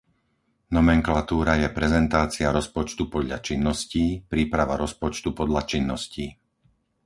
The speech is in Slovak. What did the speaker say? Nomenklatúra je prezentácia rozpočtu podľa činností, príprava rozpočtu podľa činností.